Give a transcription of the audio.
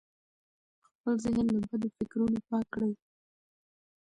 خپل ذهن له بدو فکرونو پاک کړئ.